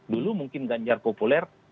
dulu mungkin ganjar populer